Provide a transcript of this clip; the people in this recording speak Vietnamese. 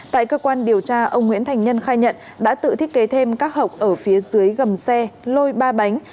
tại cơ quan điều tra ông nguyễn thành nhân khai nhận đã tự thiết kế thêm các hộp ở phía dưới gầm xe lôi ba bánh